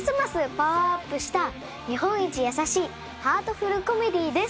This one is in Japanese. パワーアップした日本一優しいハートフル・コメディです。